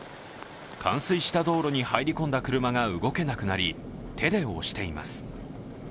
冠水した道路に入り込んだ車が動けなくなり、手で押しています。